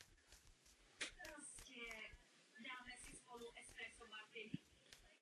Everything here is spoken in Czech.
Hood hledal jiný způsob výdělku a získal řadu dlouhodobých reklamních a obchodních smluv.